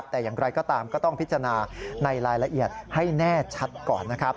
แต่อย่างไรก็ตามก็ต้องพิจารณาในรายละเอียดให้แน่ชัดก่อนนะครับ